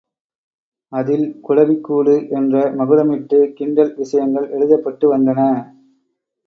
அதில் குளவிக் கூடு என்ற மகுடமிட்டு கிண்டல் விஷயங்கள் எழுதப்பட்டு வந்தன.